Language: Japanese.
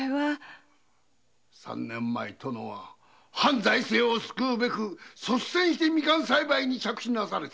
三年前殿は藩財政を救うべく率先してミカン栽培に着手なされた。